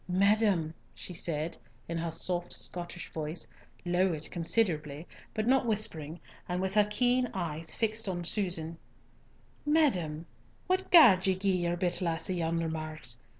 "Madam," said she, in her soft Scotch voice, lowered considerably, but not whispering, and with her keen eyes fixed on Susan—"Madam, what garred ye gie your bit lassie yonder marks?